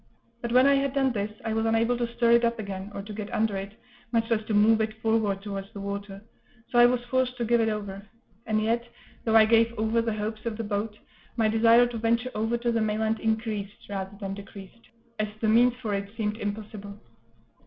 But when I had done this, I was unable to stir it up again, or to get under it, much less to move it forward towards the water; so I was forced to give it over; and yet, though I gave over the hopes of the boat, my desire to venture over to the mainland increased, rather than decreased, as the means for it seemed impossible.